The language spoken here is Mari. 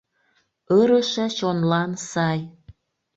Ырыше чонлан сай!